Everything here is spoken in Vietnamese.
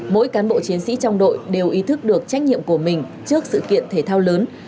mỗi cán bộ chiến sĩ trong đội đều ý thức được trách nhiệm của mình trước sự kiện thể thao lớn